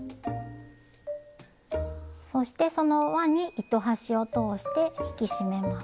そしてその輪に糸端を通して引き締めます。